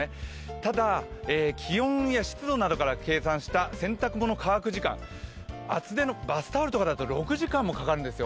ただ、気温や湿度などから計算した洗濯物乾く時間、厚手のバスタオルだと６時間かかるんですよ。